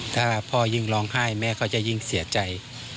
ถ้าพ่อยิ่งร้องไห้แม่ก็จะยิ่งเสียใจ